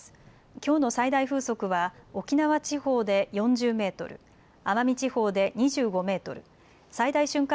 きょうの最大風速は沖縄地方で４０メートル、奄美地方で２５メートル、最大瞬間